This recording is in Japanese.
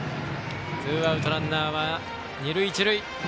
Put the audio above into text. ツーアウト、ランナーは二塁一塁。